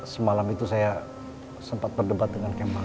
semalam itu saya sempat berdebat dengan kemang